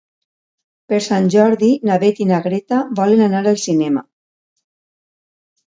Per Sant Jordi na Beth i na Greta volen anar al cinema.